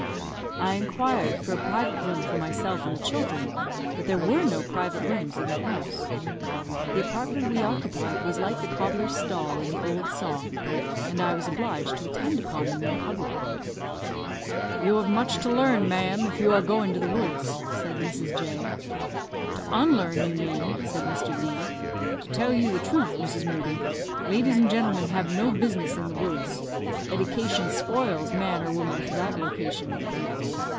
I inquired for a private room for myself and the children, but there were no private rooms in the house. The apartment we occupied was like the cobbler's stall in the old song, and I was obliged to attend upon them in public. "You have much to learn, ma'am, if you are going to the woods," said Mrs. J . "To unlearn, you mean," said Mr. D . "To tell you the truth, Mrs. Moodie, ladies and gentlemen have no business in the woods. Eddication spoils man or woman for that location.